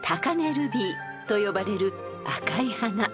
ルビーと呼ばれる赤い花］